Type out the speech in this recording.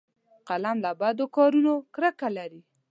قلم له بدو کارونو کرکه لري